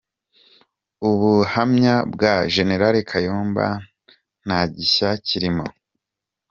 Ubuhamya bwa Gen. Kayumba ntagishya kirimo